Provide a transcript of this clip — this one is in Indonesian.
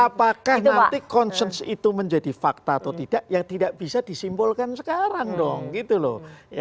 apakah nanti konsensus itu menjadi fakta atau tidak ya tidak bisa disimpulkan sekarang dong gitu loh